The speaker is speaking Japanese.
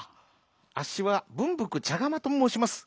「あっしはぶんぶくちゃがまともうします。